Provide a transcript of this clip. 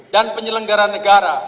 dan penyelenggaran negara